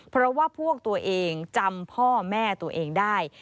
เพราะว่าพวกตัวเองจำพ่อแม่ตัวเองได้